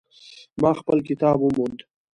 ما خپل کتاب وموند